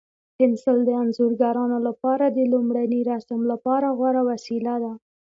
پنسل د انځورګرانو لپاره د لومړني رسم لپاره غوره وسیله ده.